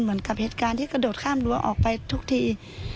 เหมือนกับเหตุการณ์ที่กระโดดข้ามรั้วออกไปทุกที